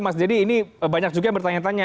mas deddy ini banyak juga yang bertanya tanya